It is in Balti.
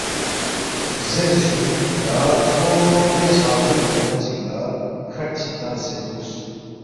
“ زیرس جُو تا کھو دے چھاؤنی کُونہ چِک لہ کھٹ چِک تنگسے دُوکس